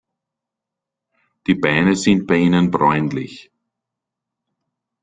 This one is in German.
Die Beine sind bei ihnen bräunlich.